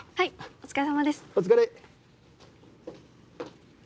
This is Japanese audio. お疲れ。